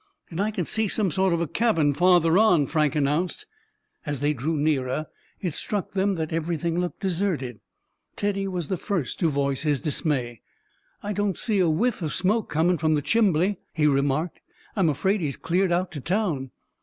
"And I can see some sort of cabin farther on," Frank announced. As they drew nearer it struck them that everything looked deserted. Teddy was the first to voice his dismay. "I don't see a whiff of smoke comin' from the chimbly," he remarked. "I'm afraid he's cleared out to town.